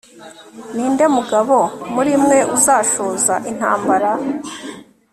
ni nde mugabo muri mwe uzashoza intambara